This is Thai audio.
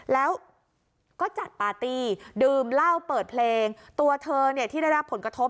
แล้วก็จัดปาร์ตี้ดื่มเหล้าเปิดเพลงตัวเธอเนี่ยที่ได้รับผลกระทบ